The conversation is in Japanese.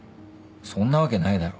そんなわけないだろ。